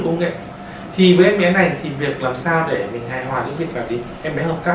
công nghệ thì với em bé này thì việc làm sao để mình hài hòa những việc bản tính em bé hợp tác